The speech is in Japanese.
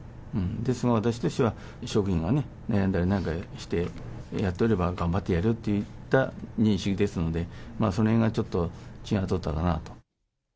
ですので私としては、職員がね、悩んだりなんかしてやっておれば、頑張ってやれよといった認識ですので、そのへんがちょっとちがっとったかなと。